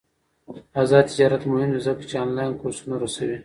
آزاد تجارت مهم دی ځکه چې آنلاین کورسونه رسوي.